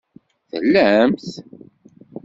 Tellamt?